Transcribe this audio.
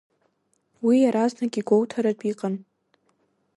Уи иаразнак игәоуҭартә иҟан.